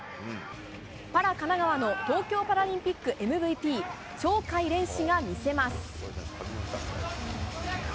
パラ神奈川の東京パラリンピックＭＶＰ、鳥海連志が見せます。